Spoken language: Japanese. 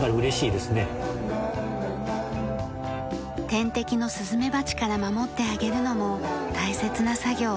天敵のスズメバチから守ってあげるのも大切な作業。